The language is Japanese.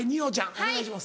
お願いします。